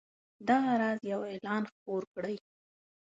دغه راز یو اعلان خپور کړئ.